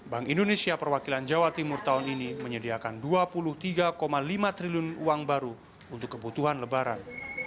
bank indonesia perwakilan jawa timur tahun ini menyediakan dua puluh tiga lima triliun uang baru untuk kebutuhan lebaran